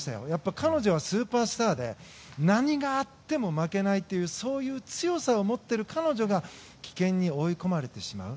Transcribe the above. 彼女はスーパースターで何があっても負けないというそういう強さを持っている彼女が棄権に追い込まれてしまう。